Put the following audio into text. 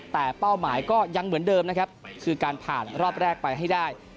แต่เป้าหมายก็ยังเหมือนเดิมนะครับคือการผ่านรอบแรกไปให้ได้